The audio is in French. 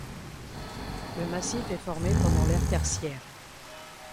Le massif s'est formé pendant l'ère tertiaire.